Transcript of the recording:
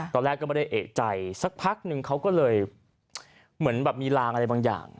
ตอนแรกก็ไม่ได้เอกใจสักพักนึงเขาก็เลยเหมือนแบบมีลางอะไรบางอย่าง